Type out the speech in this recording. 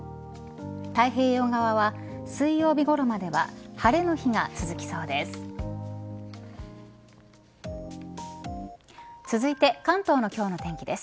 太平洋側は水曜日ごろまでは晴れの日が続きそうです。